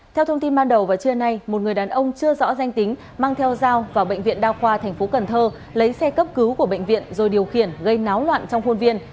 theo thông tin ban đầu vào trưa nay một người đàn ông chưa rõ danh tính mang theo dao vào bệnh viện đa khoa tp cn lấy xe cấp cứu của bệnh viện rồi điều khiển gây náo loạn trong khuôn viên